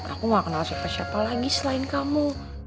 aku gak kenal siapa siapa lagi selain kamu